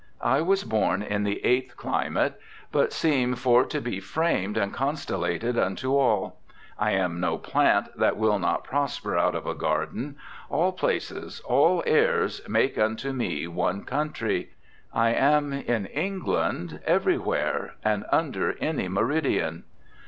I was born in the eighth climate, but seem for to be framed and constellated unto all. I am no plant that will not prosper out of a garden ; all places, all airs, make unto me one country ; I am in England, ever^'where, and under any meridian.'